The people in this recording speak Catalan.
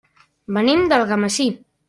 Venim d'Algemesí.